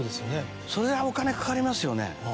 それはお金かかりますよね。